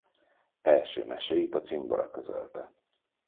Első meséit a Cimbora közölte.